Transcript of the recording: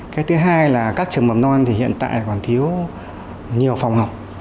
cái thứ hai là các trường mầm non thì hiện tại còn thiếu nhiều phòng học